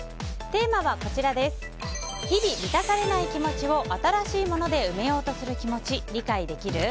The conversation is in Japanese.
テーマは日々満たされない気持ちを新しいもので埋めようとする気持ち理解できる？